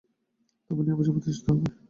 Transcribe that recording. তবেই ন্যায়বিচার প্রতিষ্ঠিত হবে!